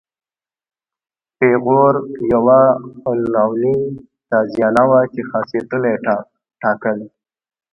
پیغور یوه عنعنوي تازیانه وه چې خاصیتونه یې ټاکل.